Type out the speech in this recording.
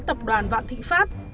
tập đoàn vạn thị pháp